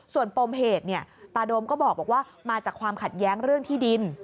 ส่วนปมเหตุตาโดมก็บอกว่ามาจากความขัดแย้งเรื่องที่ดิน